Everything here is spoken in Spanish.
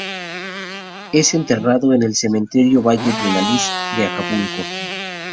Es enterrado en el cementerio Valle de la Luz de Acapulco.